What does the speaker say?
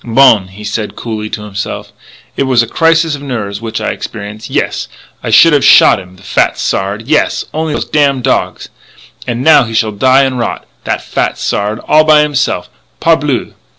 "Bon!" he said coolly to himself. "It was a crisis of nerves which I experience. Yes.... I should have shot him, that fat Sard. Yes.... Only those damn dog And now he shall die an' rot that fat Sard all by himse'f, parbleu!